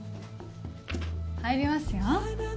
入りますよ。